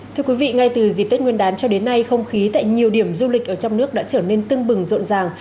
thưa quý vị ngay từ dịp tết nguyên đán cho đến nay không khí tại nhiều điểm du lịch ở trong nước đã trở nên tưng bừng rộn ràng